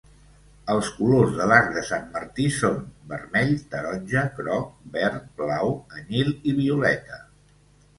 Els colors de l'arc de Sant Martí són vermell, taronja, groc, verd, blau, anyil i violeta.